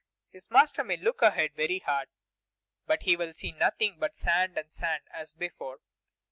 His master may look ahead very hard, but he will see nothing but sand and sand, as before.